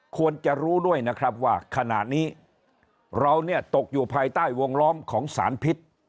ควรจะรู้ด้วยนะครับว่าขณะนี้เราเนี่ยตกอยู่ภายใต้วงล้อมของสารพิษ